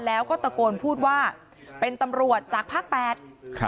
แล้วก็ตะโกนพูดว่าเป็นตำรวจจากภาค๘